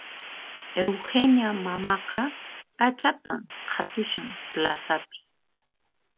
Eugenia mamaqa p'achatan qhatushan plazapi